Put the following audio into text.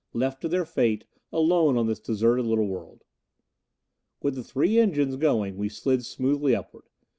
Left to their fate, alone on this deserted little world. With the three engines going we slid smoothly upward.